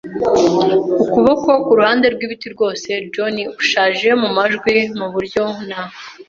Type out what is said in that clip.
ukuboko kuruhande rwibiti - rwose John ushaje mumajwi, muburyo, na